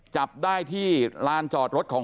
จับได้ที่ลานจอดรถของ